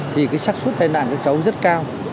thì cái sắc suất tai nạn của cháu rất cao